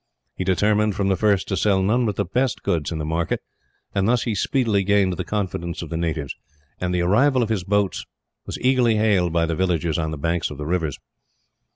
He determined, from the first, to sell none but the best goods in the market; and thus he speedily gained the confidence of the natives, and the arrival of his boats was eagerly hailed by the villagers on the banks of the rivers.